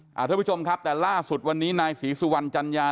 ท่านผู้ชมครับแต่ล่าสุดวันนี้นายศรีสุวรรณจัญญา